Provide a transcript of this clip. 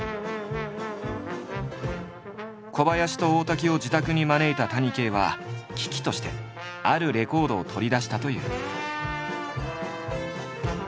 小林と大滝を自宅に招いた谷啓は喜々としてあるレコードを取り出したという。